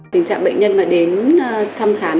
tình trạng bệnh nhân mà đến thăm khám